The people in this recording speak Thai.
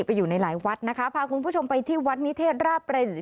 ไปอยู่ในหลายวัดนะคะพาคุณผู้ชมไปที่วัดนิเทศราบเรน